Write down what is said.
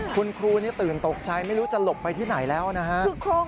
คุณครูนี่ตื่นตกใจไม่รู้จะหลบไปที่ไหนแล้วนะฮะ